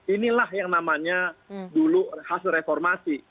inilah yang namanya dulu hasil reformasi